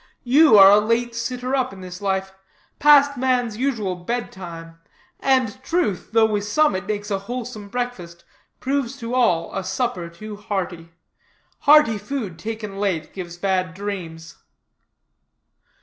You are a late sitter up in this life; past man's usual bed time; and truth, though with some it makes a wholesome breakfast, proves to all a supper too hearty. Hearty food, taken late, gives bad dreams."